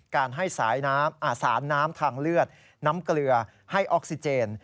การให้สายน้ำสารน้ำทางเลือดน้ำเกลือให้ออกซิเจน